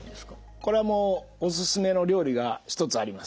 これもおすすめの料理が１つあります。